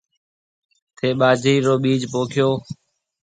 ٿَي ٻاجَرِي رو ٻِيج پوکيو۔